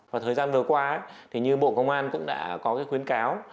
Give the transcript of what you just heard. và thời gian vừa qua thì như bộ công an cũng đã có cái khuyến cáo